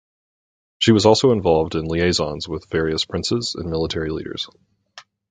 She was also involved in liaisons with various princes and military leaders.